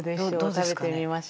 食べてみましょうか。